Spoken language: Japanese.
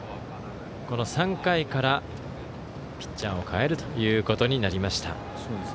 ３回からピッチャーを代えることになりました。